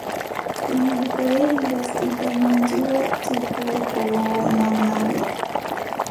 Ɓiyiiko yahi lesdi daayiindi waddi kurgoowo nanaaɗo.